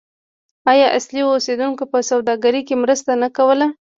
آیا اصلي اوسیدونکو په سوداګرۍ کې مرسته نه کوله؟